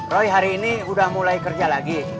roy hari ini udah mulai kerja lagi